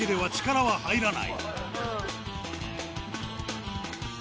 はい。